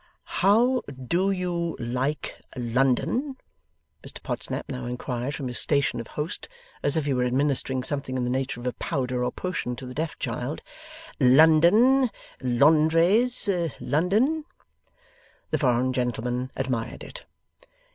'How Do You Like London?' Mr Podsnap now inquired from his station of host, as if he were administering something in the nature of a powder or potion to the deaf child; 'London, Londres, London?' The foreign gentleman admired it.